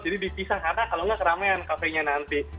jadi dipisah karena kalau nggak keramaian kafenya nanti